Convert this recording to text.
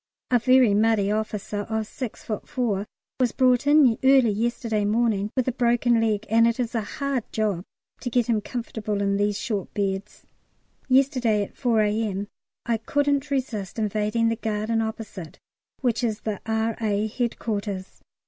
A very muddy officer of 6 ft. 4 was brought in early yesterday morning with a broken leg, and it is a hard job to get him comfortable in these short beds. Yesterday at 4 A.M. I couldn't resist invading the garden opposite which is the R.A. Headquarters.